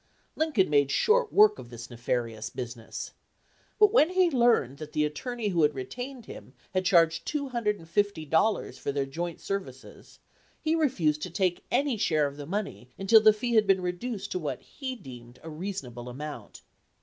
Lincoln made short work of this nefarious business; but when he learned that the attorney who had re tained him had charged two hundred and fifty dollars for their joint services, he refused to take any share of the money until the fee had been reduced to what he deemed a reasonable amount.